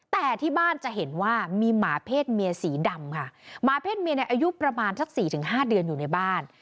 แต่ที่บ้านจะเห็นว่ามีหมาเพศเมียสีดำค่ะหมาเพศเมียในอายุประมาณสักสี่ถึงห้าเดือนอยู่ในบ้าน